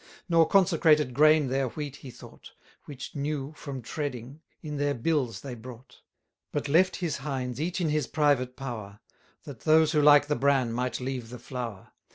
Nor consecrated grain their wheat he thought, Which, new from treading, in their bills they brought: But left his hinds each in his private power, That those who like the bran might leave the flour.